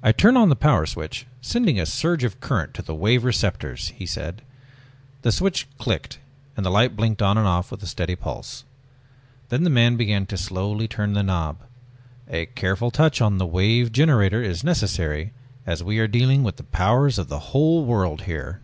"I turn on the Power Switch, sending a surge of current to the Wave Receptors," he said. The switch clicked and the light blinked on and off with a steady pulse. Then the man began to slowly turn the knob. "A careful touch on the Wave Generator is necessary as we are dealing with the powers of the whole world here...."